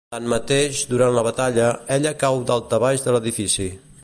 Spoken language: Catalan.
Tanmateix, durant la baralla, ella cau daltabaix de l'edifici.